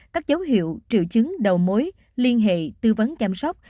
các dấu hiệu triệu chứng đầu mối liên hệ tư vấn chăm sóc